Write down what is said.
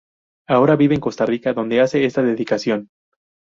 Ahora vive en Costa Rica, donde hace esta dedicación.